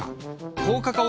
高カカオ